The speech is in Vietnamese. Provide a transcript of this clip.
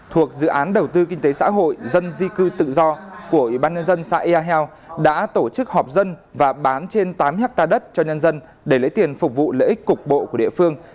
thuộc dự án đầu tư kinh tế xã hội dân di cư tự do của ủy ban nhân dân xã yà heo đã tổ chức họp dân và bán trên tám hectare đất cho nhân dân để lấy tiền phục vụ lợi ích cục bộ của địa phương